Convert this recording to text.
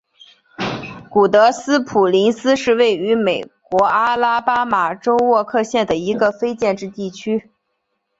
古德斯普林斯是位于美国阿拉巴马州沃克县的一个非建制地区。